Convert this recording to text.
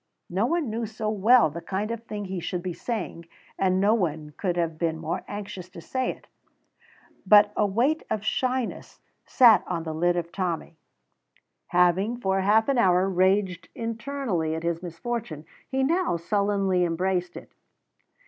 No one knew so well the kind of thing he should be saying, and no one could have been more anxious to say it, but a weight of shyness sat on the lid of Tommy. Having for half an hour raged internally at his misfortune, he now sullenly embraced it.